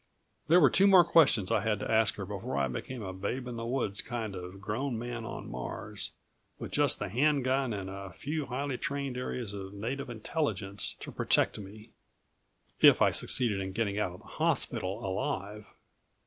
There were two more questions I had to ask her before I became a babe in the woods kind of grown man on Mars, with just the hand gun and a few highly trained areas of native intelligence to protect me if I succeeded in getting out of the hospital alive.